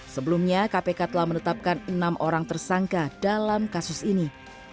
sebelumnya kpk telah menetapkan enam orang tersangka dalam kasus ini